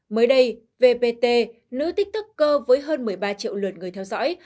mới đây vpt nữ tích thức cơ với hơn một mươi ba triệu lượt người theo dõi